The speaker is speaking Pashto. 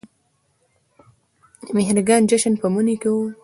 د مهرګان جشن په مني کې و